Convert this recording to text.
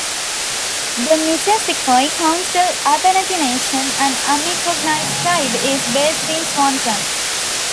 The Missisiquoi Council Abenaki Nation, an unrecognized tribe, is based in Swanton.